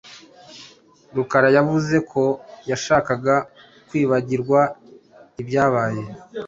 Rukara yavuze ko yashakaga kwibagirwa ibyabaye.